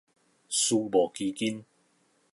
私募基金